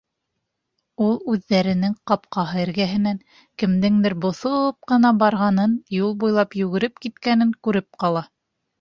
Ул үҙҙәренең ҡапҡаһы эргәһенән кемдеңдер боҫоп ҡына барғанын, юл буйлап йүгереп киткәнен күреп ҡала.